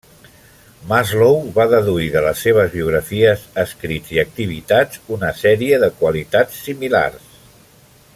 Maslow va deduir de les seves biografies, escrits i activitats una sèrie de qualitats similars.